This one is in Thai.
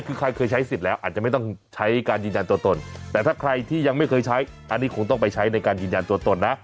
คือใครเคยใช้สิทธิ์แล้วอาจจะไม่ต้องใช้การยืนยันตัวตนแต่ถ้าใครที่ยังไม่เคยใช้อันนี้คงต้องไปใช้ในการยืนยันตัวตนนะ